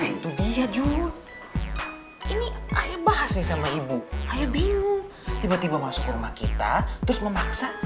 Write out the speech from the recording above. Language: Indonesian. itu dia juga ini saya bahas sama ibu ibu tiba tiba masuk rumah kita terus memaksa